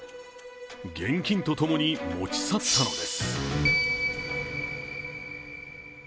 現金とともに持ち去ったのです。